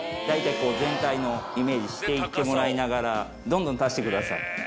全体のイメージしていってもらいながらどんどん足してください。